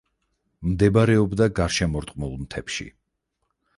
მდებარეობდა გარშემორტყმულ მთებში.